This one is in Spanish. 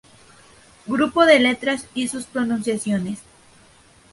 Grupos de letras y sus pronunciaciones.